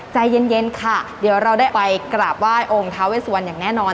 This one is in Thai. ใจเย็นค่ะเดี๋ยวเราได้ไปกราบไหว้องค์ท้าเวสวันอย่างแน่นอน